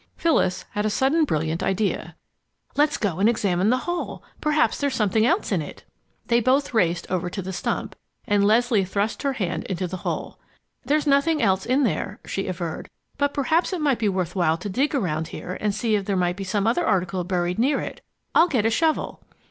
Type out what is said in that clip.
Phyllis had a sudden brilliant idea. "Let's go and examine the hole! Perhaps there's something else in it." They both raced over to the stump and Leslie thrust her hand into the hole. "There's nothing else in there," she averred, "but perhaps it might be worth while to dig around here and see if there might be some other article buried near it. I'll get a shovel."